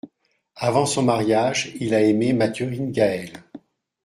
Avant son mariage, il a aimé Mathurine Gaël.